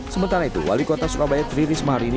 sementara itu wali kota surabaya tri risma hari ini